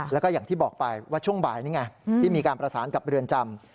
แล้วก็อย่างที่บอกไปว่าช่วงบ่ายนี่ไงที่มีการประสานกับเรือนจำ